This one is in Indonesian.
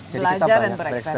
belajar dan bereksperimen